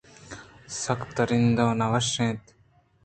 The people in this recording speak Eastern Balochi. سکّ تُرٛند ءُ نہ وشّ اَت